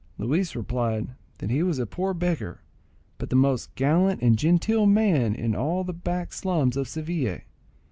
Luis replied that he was a poor beggar, but the most gallant and genteel man in all the back slums of Seville.